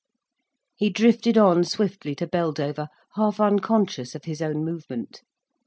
He drifted on swiftly to Beldover, half unconscious of his own movement.